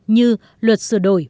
như luật sửa đổi